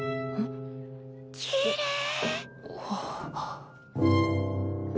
きれい！